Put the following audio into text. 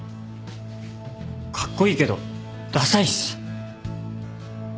カッコイイけどダサいっす。